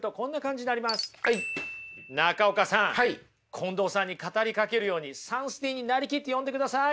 近藤さんに語りかけるようにサンスティーンに成りきって読んでください。